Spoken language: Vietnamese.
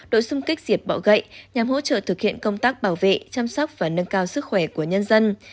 đội xung kích diệt bọ gậy nhằm hỗ trợ thực hiện công tác bảo vệ chăm sóc và nâng cao sức khỏe của nhân dân